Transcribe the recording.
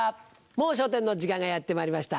『もう笑点』の時間がやってまいりました。